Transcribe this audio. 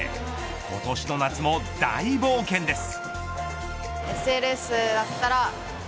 今年の夏も大冒険です。